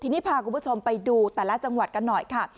ทีนี้พาคุณผู้ชมไปดูแต่ละจังหวัดกันหน่อยค่ะ